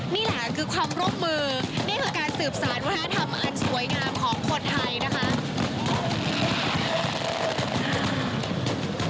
นี่แหละคือความร่วมมือนี่คือการสืบสารวัฒนธรรมอันสวยงามของคนไทยนะคะ